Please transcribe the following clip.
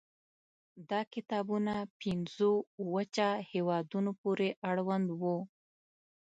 دا کتابونه پنځو وچه هېوادونو پورې اړوند وو.